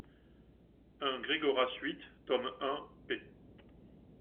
un Gregoras huit, tome un, p.